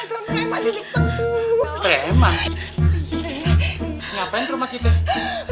ngapain rumah kita